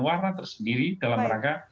warna tersendiri dalam rangka